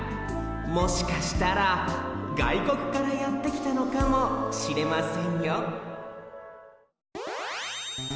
もしかしたらがいこくからやってきたのかもしれませんよ